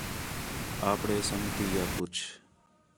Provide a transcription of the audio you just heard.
آپݨے سنڳتی آ پُچھ